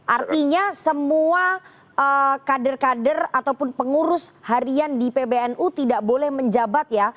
artinya semua kader kader ataupun pengurus harian di pbnu tidak boleh menjabat ya